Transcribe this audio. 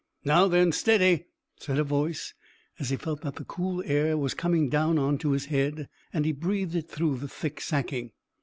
"Now then, steady!" said a voice, as he felt that the cool air was coming down on to his head, and he breathed it through the thick sacking.